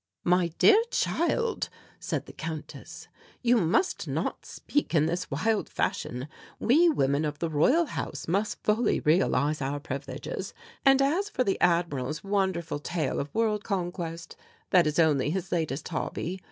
"My dear child," said the Countess, "you must not speak in this wild fashion. We women of the Royal House must fully realize our privileges and as for the Admiral's wonderful tale of world conquest that is only his latest hobby.